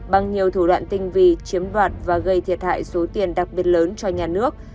bằng nhiều thủ đoạn tinh vi chiếm đoạt và gây thiệt hại số tiền đặc biệt lớn cho nhà nước